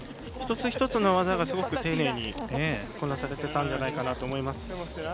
一つ一つの技がすごく丁寧にこなされていたんじゃないかなと思います。